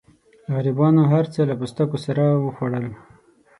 غریبانو هرڅه له پوستکو سره وخوړل.